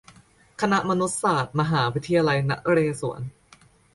คณะมนุษยศาสตร์ มหาวิทยาลัยนเรศวร